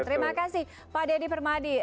terima kasih pak deddy permadi